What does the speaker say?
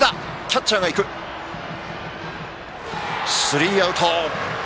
スリーアウト。